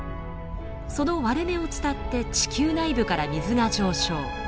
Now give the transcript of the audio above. その割れ目を伝って地球内部から水が上昇。